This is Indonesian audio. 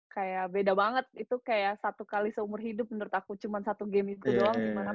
kayak beda banget itu kayak satu kali seumur hidup menurut aku cuma satu game itu doang dimanapun